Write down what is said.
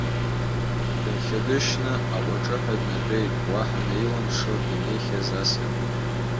Дынхьадышьшьны аҟәаҿыҳәа днатәеит, уаҳа наилымшо инеихьаз асаби.